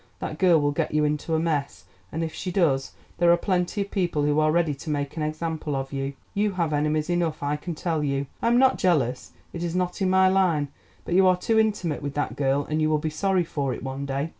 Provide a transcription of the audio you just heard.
That girl will get you into a mess, and if she does there are plenty of people who are ready to make an example of you. You have enemies enough, I can tell you. I am not jealous, it is not in my line, but you are too intimate with that girl, and you will be sorry for it one day."